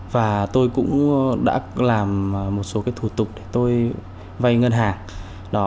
và tôi cũng đã làm một số cái thủ tục để tôi vay ngân hàng